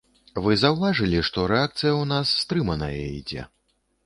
Вы заўважылі, што рэакцыя ў нас стрыманая ідзе?